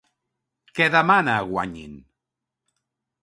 Què demana a Guanyin?